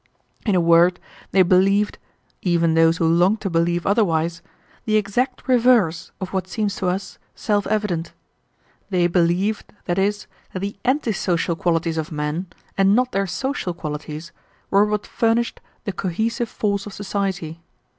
In a word, they believed even those who longed to believe otherwise the exact reverse of what seems to us self evident; they believed, that is, that the anti social qualities of men, and not their social qualities, were what furnished the cohesive force of society.